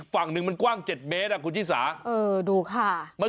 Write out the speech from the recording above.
คุณลงคิดดูนะคุณขับมา